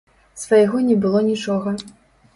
Свайго не было нічога.